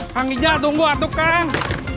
kang rijal tunggu atuh kang